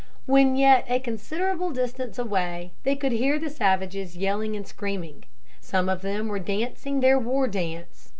When yet a considerable distance away they could hear the savages yelling and screaming. Some of them were dancing their war dance.